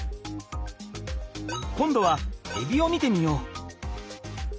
今度はえびを見てみよう。